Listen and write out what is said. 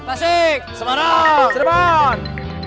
tasik semarang semarang